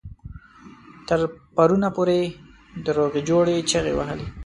تر پرونه پورې د روغې جوړې چيغې وهلې.